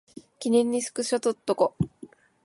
記念にスクショ撮っとこ